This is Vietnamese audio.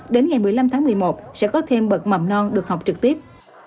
đến ngày một mươi năm tháng một mươi một sẽ có thêm bậc mầm non được học trực tiếp